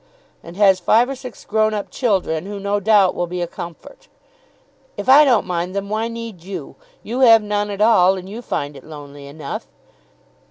"And has five or six grown up children, who, no doubt, will be a comfort." "If I don't mind them, why need you? You have none at all, and you find it lonely enough."